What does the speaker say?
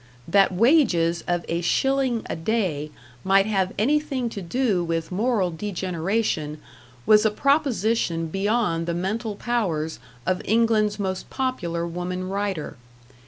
That wages of a shilling a day might have anything to do with moral degeneration was a proposition beyond the mental powers of England's most popular woman writer.